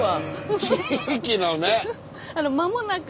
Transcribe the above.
「地域の目」。